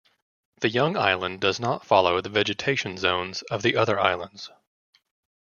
The young island does not follow the vegetation zones of the other islands.